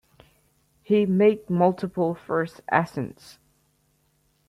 He made multiple first ascents.